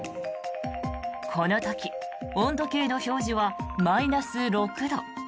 この時、温度計の表示はマイナス６度。